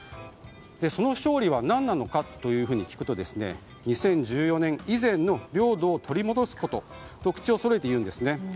その勝利は何なのかと聞くと２０１４年以前の領土を取り戻すことと口をそろえて言うんですね。